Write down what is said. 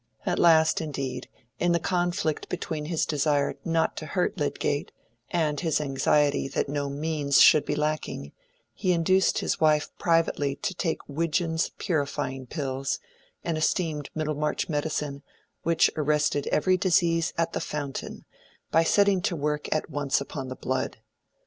At last, indeed, in the conflict between his desire not to hurt Lydgate and his anxiety that no "means" should be lacking, he induced his wife privately to take Widgeon's Purifying Pills, an esteemed Middlemarch medicine, which arrested every disease at the fountain by setting to work at once upon the blood.